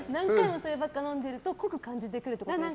そればっかり飲んでると濃く感じてくるってことですか。